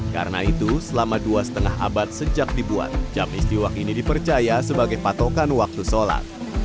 karena itu selama dua setengah abad sejak dibuat jam istiwa ini dipercaya sebagai patokan waktu sholat